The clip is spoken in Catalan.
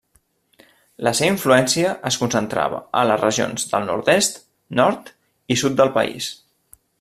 La seva influència es concentrava a les regions del nord-est, nord i sud del país.